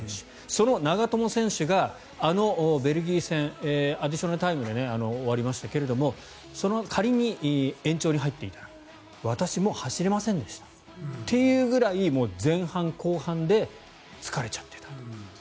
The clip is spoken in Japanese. その長友選手があのベルギー戦アディショナルタイムで終わりましたけども仮に延長に入っていたら私、もう走れませんでしたというぐらい前半、後半で疲れちゃっていた。